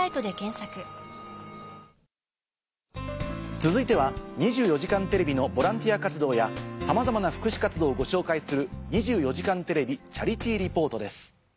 続いては『２４時間テレビ』のボランティア活動やさまざまな福祉活動をご紹介する。